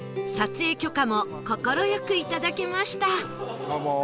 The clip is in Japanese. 撮影許可も快くいただけました